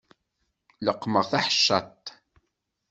Leqqmeɣ taḥeccaḍt.